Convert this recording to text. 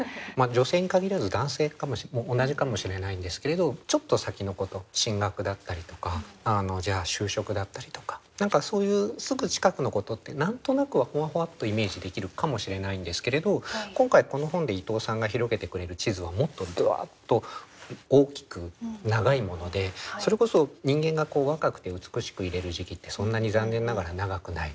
女性に限らず男性も同じかもしれないんですけれどちょっと先のこと進学だったりとかじゃあ就職だったりとか何かそういうすぐ近くのことって何となくはふわふわっとイメージできるかもしれないんですけれど今回この本で伊藤さんが広げてくれる地図はもっとダッと大きく長いものでそれこそ人間が若くて美しくいれる時期ってそんなに残念ながら長くない。